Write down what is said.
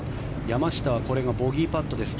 山下はこれがボギーパットです。